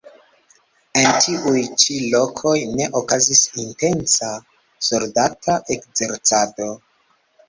En tiuj ĉi lokoj ne okazis intensa soldata ekzercado.